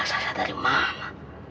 rasa rasa dari mana